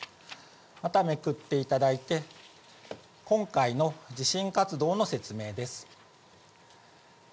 まためくっていただいて、今回の地震活動の説明です。